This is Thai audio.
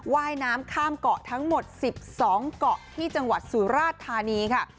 ว่ายน้ำข้ามเกาะทั้งหมด๑๒เกาะที่จังหวัดสุราชธานีค่ะ